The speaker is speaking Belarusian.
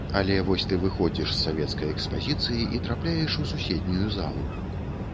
Але вось ты выходзіш з савецкай экспазіцыі і трапляеш у суседнюю залу.